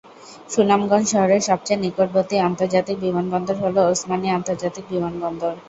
সুনামগঞ্জ শহরের সবচেয়ে নিকটবর্তী আন্তর্জাতিক বিমানবন্দর হলো ওসমানী আন্তর্জাতিক বিমানবন্দর।